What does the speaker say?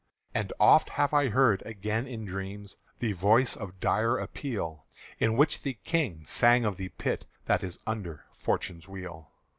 And oft have I heard again in dreams The voice of dire appeal In which the King sang of the pit That is under Fortune's wheel.